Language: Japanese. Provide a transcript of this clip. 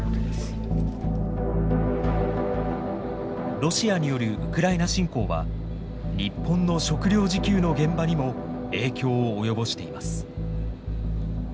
ロシアによるウクライナ侵攻は日本の食料自給の現場にも影響を及ぼしています。